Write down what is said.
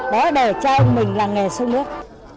đó là để cho ông mình là nghề sâu nước